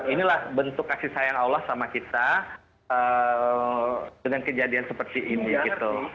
inilah bentuk kasih sayang allah sama kita dengan kejadian seperti ini gitu